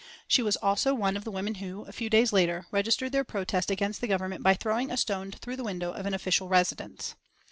She was also one of the women who, a few days later, registered their protest against the Government by throwing a stone through the window of an official residence.